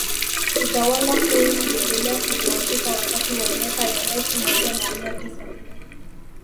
Utawala hui uliendelea kudhoofika wakati wa miaka ya elfu moja na mia tisa